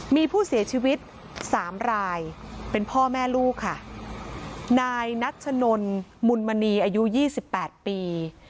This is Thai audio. มีผู้เสียชีวิตสามรายเป็นพ่อแม่ลูกค่ะนายนัชนนมุนมณีอายุยี่สิบแปดปี